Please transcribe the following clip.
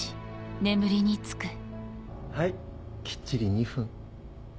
はいきっちり２分。